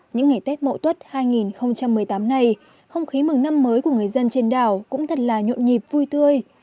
những ngày tết mậu tuất hai nghìn một mươi tám này không khí mừng năm mới của người dân trên đảo cũng thật là nhộn nhịp vui tươi